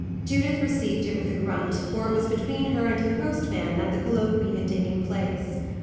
Judith received it with a grunt, for it was between her and the postman that the colloquy had taken place.